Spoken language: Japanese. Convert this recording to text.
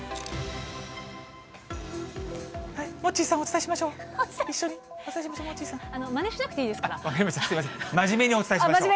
モッチーさん、お伝えしましお伝えしましょう。